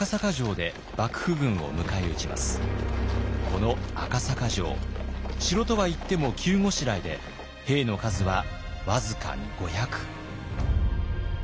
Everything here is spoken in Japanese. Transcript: この赤坂城城とはいっても急ごしらえで兵の数はわずかに５００。